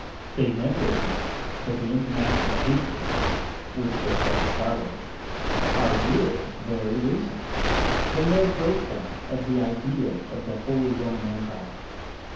They never admit that the international hatreds (which they call barbaric) are really very recent, the mere breakdown of the ideal of the Holy Roman Empire.